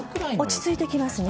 落ち着いてきますね。